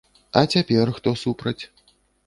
А цяпер хто супраць?